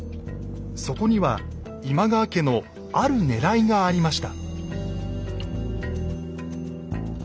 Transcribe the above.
そこには今川家のあるねらいがありました。